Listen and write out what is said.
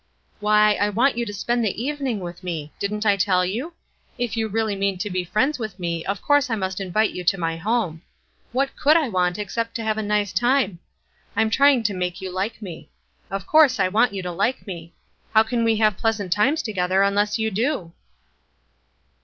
"Why, I want you to spend the evening with me. Didn't I tell you? If you really mean to be friends with me of course I must invite you to my home. What could I want except to have a nice time? I'm trying to make you like me. Of course I want you to like me. How can we have pleasant times together unless you do?"